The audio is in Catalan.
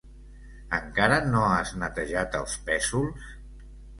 Encara no has netejat els pèsols?